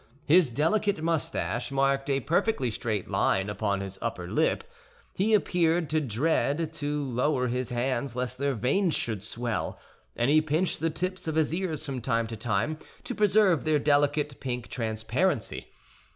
His delicate mustache marked a perfectly straight line upon his upper lip; he appeared to dread to lower his hands lest their veins should swell, and he pinched the tips of his ears from time to time to preserve their delicate pink transparency.